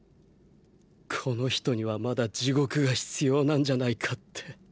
この人にはまだ地獄が必要なんじゃないかって。